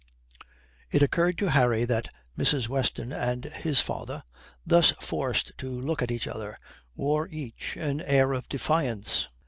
It occurred to Harry that Mrs. Weston and his father, thus forced to look at each other, wore each an air of defiance.